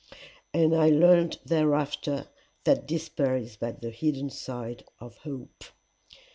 And I learned thereafter that despair is but the hidden side of hope.